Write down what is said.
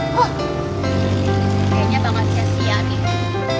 wah kayaknya banget sia sian ya